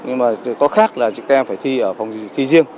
nhưng mà có khác là các em phải thi ở phòng thi riêng